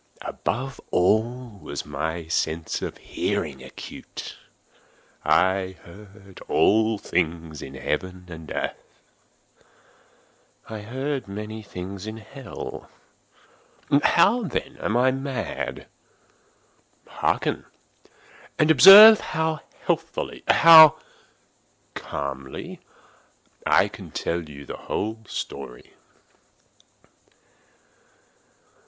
Above all was the sense of hearing acute. I heard all things in the heaven and in the earth. I heard many things in hell. How, then, am I mad? Hearken! and observe how healthily—how calmly I can tell you the whole story.